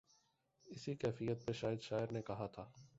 اسی کیفیت پہ شاید شاعر نے کہا تھا۔